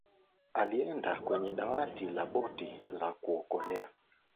alienda kwenye dawati la boti za kuokolea